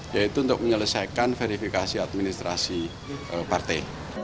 yaitu untuk menyelesaikan verifikasi administrasi partai